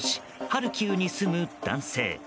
ハルキウに住む男性。